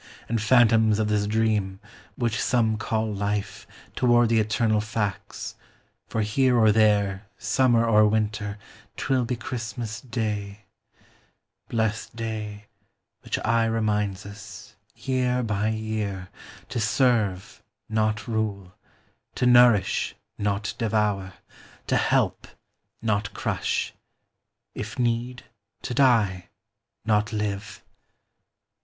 And phantoms of this dream, which some call life, Toward the eternal facts ; for here or there, Summer or winter, 'twill be Christmas day Blest day, which aye reminds us, year by year, CHRISTMAS DAY. 1 5. To serve, not rule ; to nourish, not devour ; To help, not crush ; if need, to die, not live.